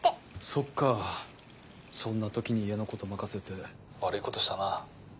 そっかそんな時に家のこと任せて悪いことしたな。